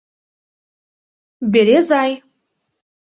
— Березай.